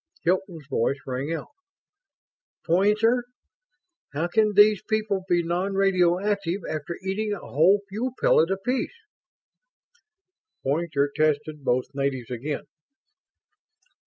Hilton's voice rang out. "Poynter! How can these people be non radioactive after eating a whole fuel pellet apiece?" Poynter tested both natives again.